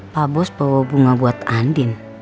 pak bos bawa bunga buat andin